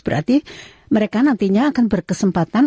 berarti mereka nantinya akan berkesempatan